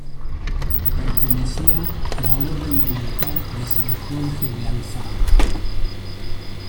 Pertenecía a la orden militar de San Jorge de Alfama.